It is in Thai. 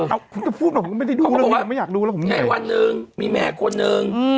เออคุณก็พูดบอกว่าจะไม่ได้ดูแล้วอย่างงี้ก็ไม่อยากดูแล้วผมไม่ใช่